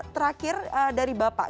terakhir dari bapak